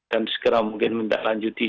dan segera mungkin mendatangkan juti